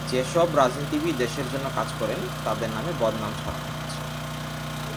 যেসব রাজনীতিবিদ দেশের জন্য কাজ করেন, তাঁদের নামে বদনাম ছড়ানো হচ্ছে।